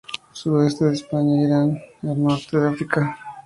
Sudeste de Europa a Irán y noroeste de África.